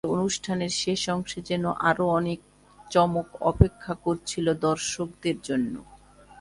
তবে অনুষ্ঠানের শেষ অংশে যেন আরও চমক অপেক্ষা করছিল দর্শকদের জন্য।